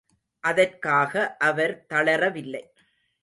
அதற்காக அவர் தளரவில்லை.